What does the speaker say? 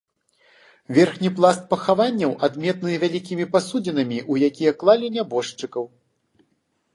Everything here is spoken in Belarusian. Верхні пласт пахаванняў адметны вялікімі пасудзінамі, у якія клалі нябожчыкаў.